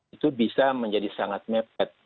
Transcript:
itu bisa menjadi sangat mepet